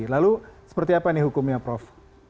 lalu seperti apa nih hukumnya prof